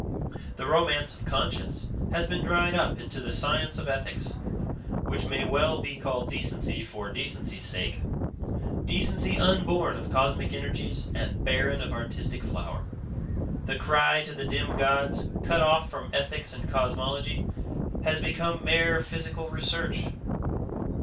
The romance of conscience has been dried up into the science of ethics; which may well be called decency for decency's sake, decency unborn of cosmic energies and barren of artistic flower. The cry to the dim gods, cut off from ethics and cosmology, has become mere Psychical Research.